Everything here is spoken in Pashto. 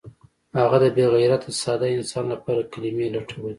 هغه د بې غیرته ساده انسان لپاره کلمې لټولې